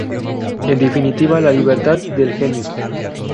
En definitiva: la libertad del genio.